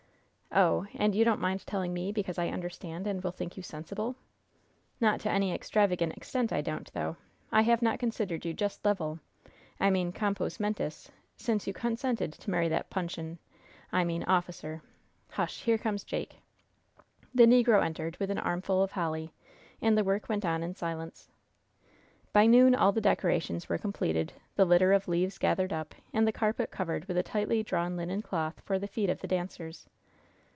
"Oh! And you don't mind telling me because I understand and will think you sensible? Not to any extravagant extent I don't, though. I have not considered you just level I mean compos mentis since you consented to marry that puncheon I mean officer. Hush! Here comes Jake!" The negro entered, with an armful of holly, and the work went on in silence. By noon all the decorations were completed, the litter of leaves gathered up, and the carpet covered with a tightly drawn linen cloth for the feet of the dancers.